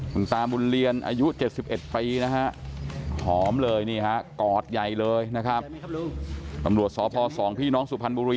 คุณตาบุญเรียนอายุ๗๑ปีหอมเลยนี่ฮะกอดใหญ่เลยนะครับ